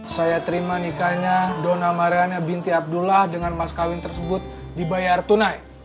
saya terima nikahnya dona mariannya binti abdullah dengan mas kawin tersebut dibayar tunai